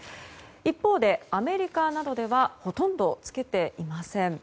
一方で、アメリカなどではほとんど着けていません。